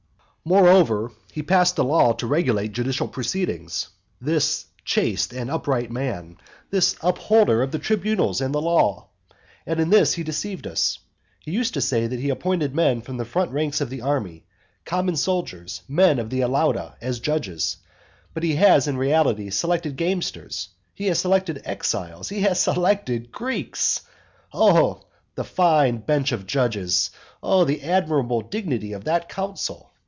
V. Moreover, he passed a law to regulate judicial proceedings, this chaste and upright man, this upholder of the tribunals and the law. And in this he deceived us. He used to say that he appointed men from the front ranks of the army, common soldiers, men of the Alauda, as judges. But he has in reality selected gamesters; he has selected exiles; he has selected Greeks. Oh the fine bench of judges! Oh the admirable dignity of that council!